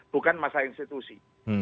bukan masalah institusi